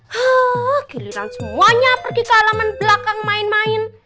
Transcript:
haa giliran semuanya pergi ke alaman belakang main main